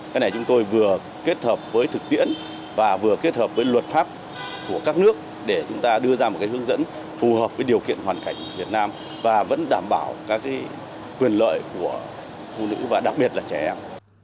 cái này chúng tôi vừa kết hợp với thực tiễn và vừa kết hợp với luật pháp của các nước để chúng ta đưa ra một hướng dẫn phù hợp với điều kiện hoàn cảnh việt nam và vẫn đảm bảo các quyền lợi của phụ nữ và đặc biệt là trẻ em